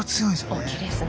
大きいですね。